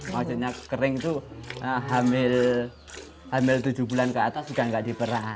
maksudnya kering itu hamil tujuh bulan ke atas juga nggak diperah